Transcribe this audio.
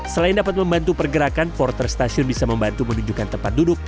selain dapat membantu pergerakan porter stasiun bisa membantu menunjukkan tempat duduk